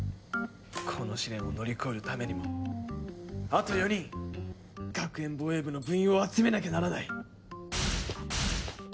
この試練を乗り越えるためにもあと４人学園防衛部の部員を集めなきゃならない！